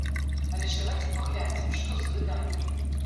Але ж давайце паглядзім, што за выданні.